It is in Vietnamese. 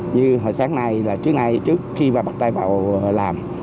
như hồi sáng nay trước khi bắt tay vào làm